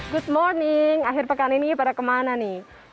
good morning akhir pekan ini pada kemana nih